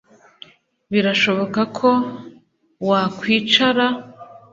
Birashoboka ko wakwicara